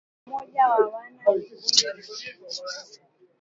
umoja wa wana vikundi ni muhimu